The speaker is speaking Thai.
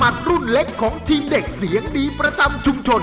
อะไรนะลูก